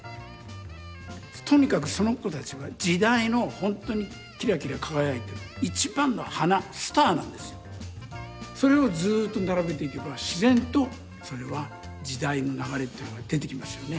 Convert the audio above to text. とにかくその人たちは時代のほんとにキラキラ輝いているそれをずっと並べていけば自然とそれは時代の流れっていうのが出てきますよね。